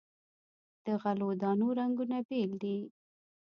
د غلو دانو رنګونه بیل دي.